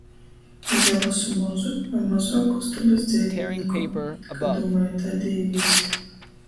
Izalosu mozu voi mozuoku ustobys dzeivinīku, ka dūmoju taidu īvīst.